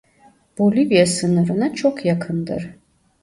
Bolivya sınırına çok yakındır.